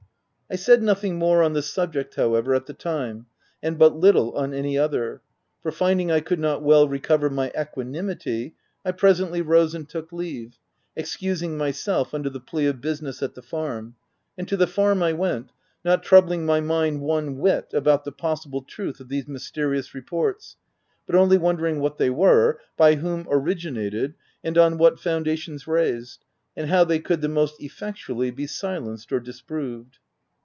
I said nothing more on the subject, however, at the time, and but little on any other ; for, finding I could not well recover my equanimity, I presently rose and took leave, excusing my self under the plea of business at the farm ;— and to the farm I went — not troubling my mind one whit about the possible truth of these mys terious reports, but only wondering what they H 3 15 4 THE TENANT were, by whom originated, and on what founda tions raised, — and how they could the most effectually be silenced or disproved.